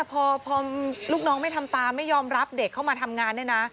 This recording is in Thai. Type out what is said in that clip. พอลูกน้องไม่ทำตามไม่ยอมรับเด็กเข้ามาทำงานเนี่ยนะ